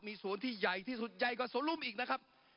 มีสวนที่ใหญ่ที่สุดใหญ่กว่าสวนลุมอีกนะครับ